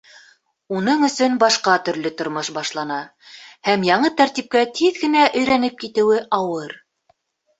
Уның өсөн башҡа төрлө тормош башлана һәм яңы тәртипкә тиҙ генә өйрәнеп китеүе ауыр.